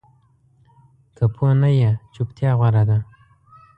که پوه نه یې، چُپتیا غوره ده